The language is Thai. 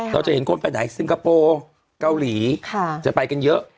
เราจะเห็นคนไปไหนซิงคโปร์เกาหลีจะไปกันเยอะ